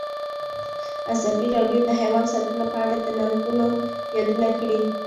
ازادي راډیو د حیوان ساتنه په اړه د ننګونو یادونه کړې.